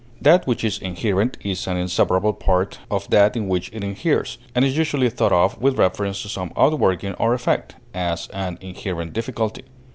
That which is inherent is an inseparable part of that in which it inheres, and is usually thought of with reference to some outworking or effect; as, an inherent difficulty.